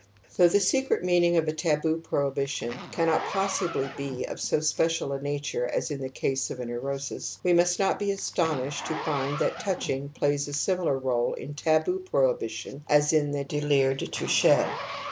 Though the secret meaning of a taboo prohi bition cannot possibly be of so special a nature as in the case of a neurosis, we must not be astonished to find that touching plays a similar role in teboo prohibition as in the (Ulire de\ toucher.